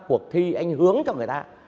cuộc thi anh hướng cho người ta